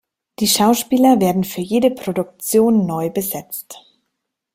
Die Schauspieler werden für jede Produktion neu besetzt.